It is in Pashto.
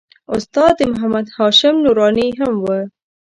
استاد محمد هاشم نوراني هم و.